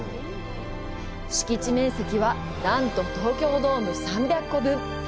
敷地面積はなんと東京ドーム３００個分！